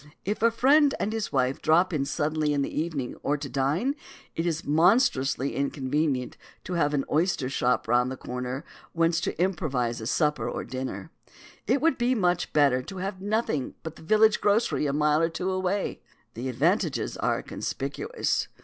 If a friend and his wife drop in suddenly in the evening or to dine, it is monstrously inconvenient to have an oyster shop round the corner whence to improvise a supper or a dinner. It would be so much better to have nothing but the village grocery a mile or two away. The advantages are conspicuous.